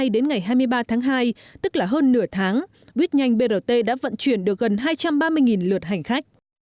đến ngày hai mươi ba tháng hai tức là hơn nửa tháng buýt nhanh brt đã vận chuyển được gần hai trăm ba mươi lượt hành khách